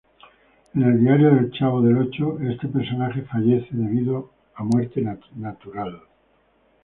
En "El Diario del Chavo del Ocho" este personaje fallece debido a "muerte natural".